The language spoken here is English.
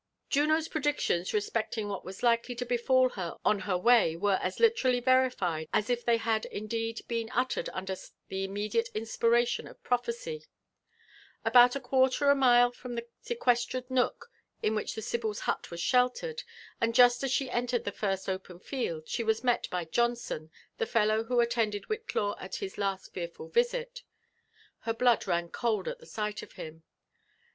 Juno's predictions respecting what was likely to befall her on her way were as literally verified as if they had indeed been uttered under the immediate inspiration of prophecy* About a quarter of a mile from the sequestered nook in which the sibyl's hut was sheltered, and just as she entered the first open field, she was met by Johnson, the fellow who attended Whillaw at his last fearful visit. Her blood ran cold at the sight of him.